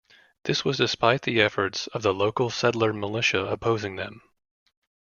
This was despite the efforts of the local settler militia opposing them.